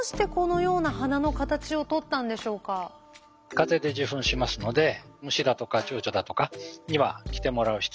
風で受粉しますので虫だとかチョウチョだとかには来てもらう必要はない。